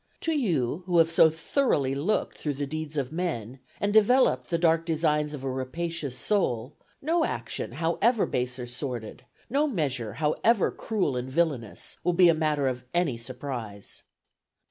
To you, who have so thoroughly looked through the deeds of men, and developed the dark designs of a rapacious soul, no action however base or sordid, no measure, however cruel and villanous, will be matter of any surprise.